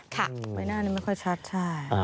ใบหน้านี้ไม่ค่อยชัดใช่